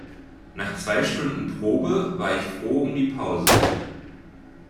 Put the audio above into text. Nach zwei Stunden Probe, war ich froh um die Pause.